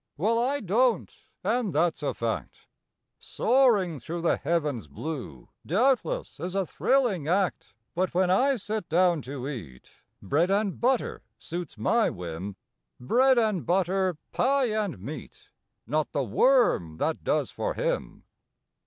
Well, I don t, and that s a fact. Soaring through the heavens blue doubtless is a thrilling act. But when I sit down to eat, bread and butter suits my whim Bread and butter, pie and meat, not the worm that does for him.